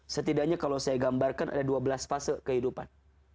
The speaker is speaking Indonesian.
setidaknya kalau saya gambarkan ada dua belas fase kehidupan